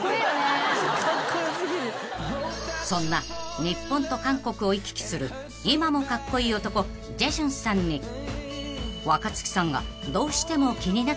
［そんな日本と韓国を行き来する今もカッコイイ男ジェジュンさんに若槻さんがどうしても気になったのが］